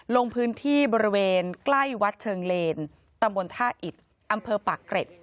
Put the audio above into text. ลงพื้นที่บริเวณใกล้วัดเชิงเลนตำบลท่าอิดอำเภอปากเกร็ด